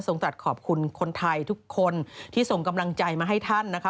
สัตว์ขอบคุณคนไทยทุกคนที่ส่งกำลังใจมาให้ท่านนะคะ